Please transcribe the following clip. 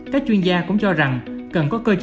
các chuyên gia cũng cho rằng cần có cơ sở hạ tầng